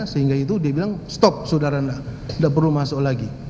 sehingga itu dia bilang stop saudara tidak perlu masuk lagi